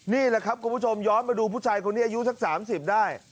นี่แหละครับคุณผู้ชมย้อนมาดูผู้ชายคนนี้อายุสัก๓๐ได้